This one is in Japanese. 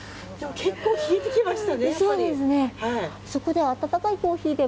結構、冷えてきましたね。